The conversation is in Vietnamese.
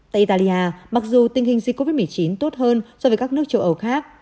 tại italia mặc dù tình hình dịch covid một mươi chín tốt hơn so với các nước châu âu khác